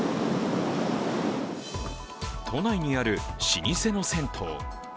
都内にある老舗の銭湯。